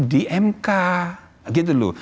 di mk gitu loh